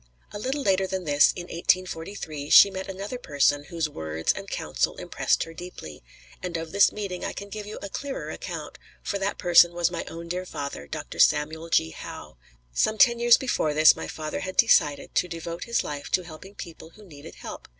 A little later than this, in 1843, she met another person whose words and counsel impressed her deeply; and of this meeting I can give you a clearer account, for that person was my own dear father, Dr. Samuel G. Howe. Some ten years before this my father had decided to devote his life to helping people who needed help.